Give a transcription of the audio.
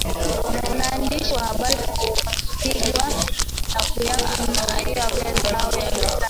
waandishi wa habari wakipigwa na kunyang anywa vifaa vyao vya kazi